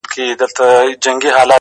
د خوار د ژوند كيسه ماتـه كړه.!